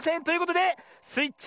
ということでスイ